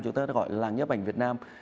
chúng ta gọi là làng nhếp ảnh việt nam